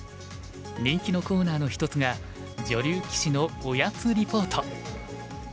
人気のコーナーの一つが女流棋士のおやつリポート。